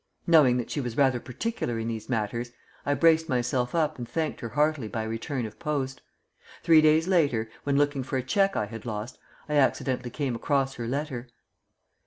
Knowing that she was rather particular in these matters I braced myself up and thanked her heartily by return of post. Three days later, when looking for a cheque I had lost, I accidentally came across her letter.